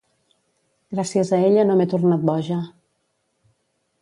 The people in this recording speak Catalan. Gràcies a ella no m'he tornat boja.